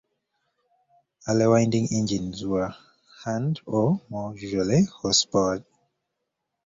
Early winding engines were hand, or more usually horse powered.